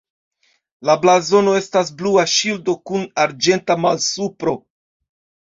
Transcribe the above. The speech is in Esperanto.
La blazono estas blua ŝildo kun arĝenta malsupro.